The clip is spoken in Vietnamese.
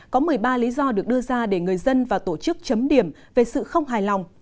có một mươi ba lý do được đưa ra để người dân và tổ chức chấm điểm về sự không hài lòng